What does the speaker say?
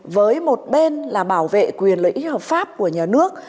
với một bên là bảo vệ quyền lợi ích hợp pháp của nhà nước